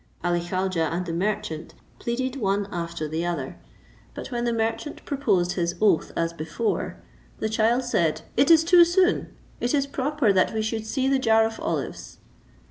Ali Khaujeh and the merchant pleaded one after the other; but when the merchant proposed his oath as before, the child said, "It is too soon; it is proper that we should see the jar of olives."